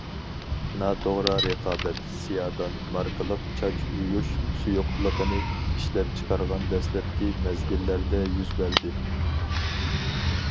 ناتوغرا رىقابەت« سىيادان» ماركىلىق چاچ يۇيۇش سۇيۇقلۇقىنى ئىشلەپ چىقارغان دەسلەپكى مەزگىللەردە يۈز بەردى.